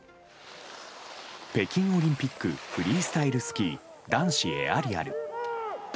北京オリンピックフリースタイルスキー男子エアリアル。